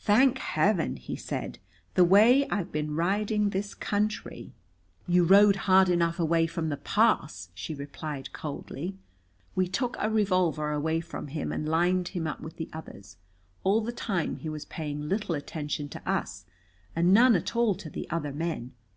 "Thank Heaven!" he said. "The way I've been riding this country " "You rode hard enough away from the pass," she replied coldly. We took a revolver away from him and lined him up with the others. All the time he was paying little attention to us and none at all to the other men.